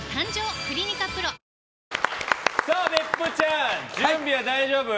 別府ちゃん、準備は大丈夫？